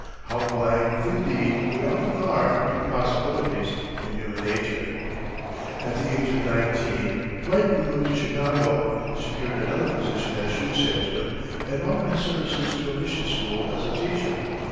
How blind, indeed, we often are to the possibilities in human nature! At the age of nineteen, Dwight removed to Chicago, secured another position as shoe salesman, and offered his services to a mission school as a teacher.